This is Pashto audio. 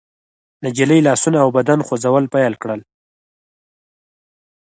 نجلۍ لاسونه او بدن خوځول پيل کړل.